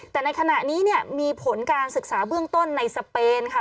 แต่ในขณะนี้เนี่ยมีผลการศึกษาเบื้องต้นในสเปนค่ะ